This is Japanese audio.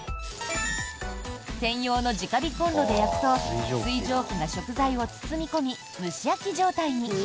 専用の直火コンロで焼くと水蒸気が食材を包み込み蒸し焼き状態に。